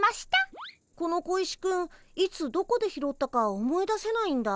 この小石くんいつどこで拾ったか思い出せないんだ。